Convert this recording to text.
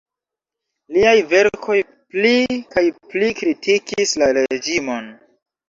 Liaj verkoj pli kaj pli kritikis la reĝimon.